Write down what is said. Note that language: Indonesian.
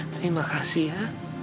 terima kasih ya